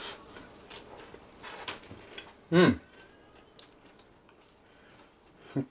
うん！